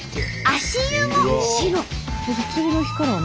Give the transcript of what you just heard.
足湯も白。